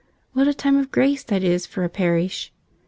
What a time of grace that is for a parish!